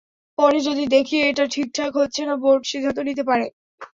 পরে যদি দেখি এটা ঠিকঠাক হচ্ছে না, বোর্ড সিদ্ধান্ত নিতে পারে।